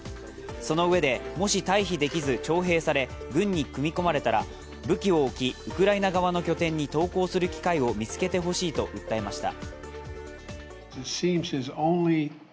その上で、もし退避できず徴兵され軍に組み込まれたら武器を置きウクライナ側の拠点に投降する機会を見つけてほしいと訴えました。